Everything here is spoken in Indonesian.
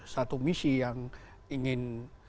satu misi yang ingin